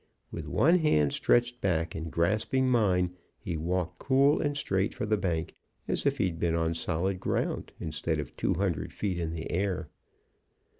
With one hand stretched back and grasping mine, he walked cool and straight for the bank, as if he'd been on solid ground, instead of two hundred feet in the air.